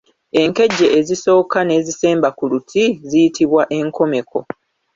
Enkejje ezisooka n'ezisemba ku luti ziyitbwa enkomeko.